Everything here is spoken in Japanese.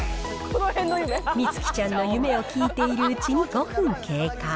美月ちゃんの夢を聞いているうちに５分経過。